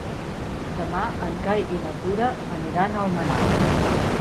Demà en Cai i na Tura aniran a Almenar.